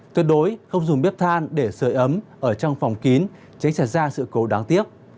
tuyệt đối không dùng bếp than để sợi ấm ở trong phòng kín chế trả ra sự cố đáng tiếc